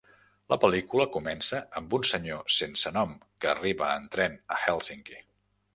La pel·lícula comença amb un senyor sense nom que arriba en tren a Hèlsinki.